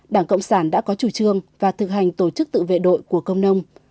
đảng cộng sản đã có chủ trương và thực hành tổ chức tự vệ đội của cộng sản